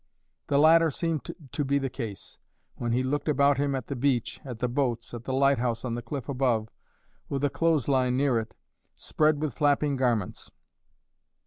The latter seemed to be the case when he looked about him at the beach, at the boats, at the lighthouse on the cliff above, with a clothes line near it, spread with flapping garments.